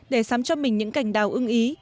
để sắm cho mình những cảnh đào ưng ý